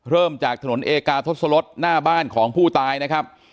เริ่มจากถนนเอกาทศลศหน้าบ้านของผู้ตายนะครับ